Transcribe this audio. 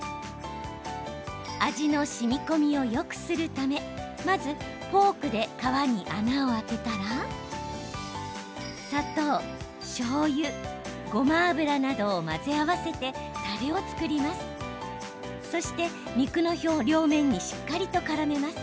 味のしみこみをよくするためまずフォークで皮に穴を開けたら砂糖、しょうゆ、ごま油などを混ぜ合わせて、たれを作ります。